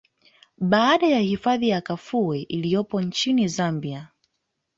Baada ya hifadhi ya Kafue iliyopo nchini Zambia